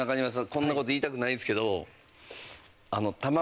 こんな事言いたくないんですけど。